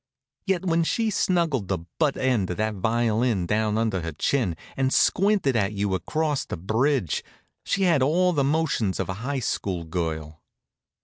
Yet when she snuggled the butt end of that violin down under her chin and squinted at you across the bridge, she had all the motions of a high school girl.